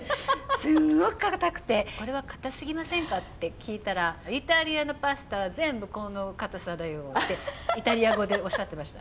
すんごくかたくて「これはかたすぎませんか？」って聞いたら「イタリアのパスタは全部このかたさだよ」ってイタリア語でおっしゃってました。